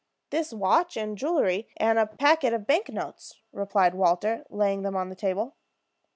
"This watch and jewelry, and a packet of bank notes," replied Walter, laying them on the table.